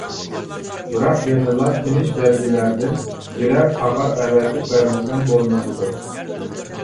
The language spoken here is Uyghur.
بىراق يەنىلا تىنىش بەلگىلەردىن بىرەر تاغار ئەۋەتىپ بەرمىسەم بولمىغۇدەك.